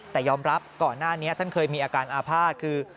แต่ยอมรับก่อนหน้านี้ท่านเคยมีอาการอาภาษณ์คือ